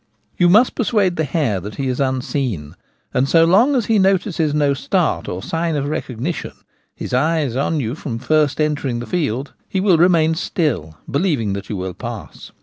You must persuade the hare that he is unseen ; and so long as he notices no start or sign of recognition — his eye is on you from first entering the field — he will remain still, believing that you will pass.